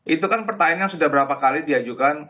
itu kan pertanyaannya sudah berapa kali diajukan